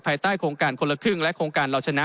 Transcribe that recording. ใต้โครงการคนละครึ่งและโครงการเราชนะ